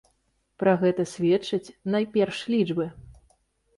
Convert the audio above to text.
Пра гэта сведчаць найперш лічбы.